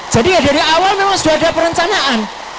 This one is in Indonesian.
jadi dari awal memang sudah ada perencanaan